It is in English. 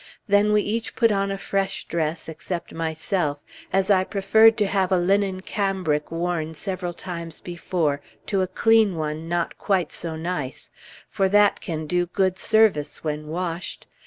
Then we each put on a fresh dress, except myself, as I preferred to have a linen cambric worn several times before, to a clean one not quite so nice, for that can do good service when washed.